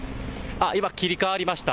今、切り替わりました。